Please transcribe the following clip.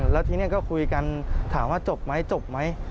แล้วทีนี้ก็คุยกันถามว่าจบไหมจบไหม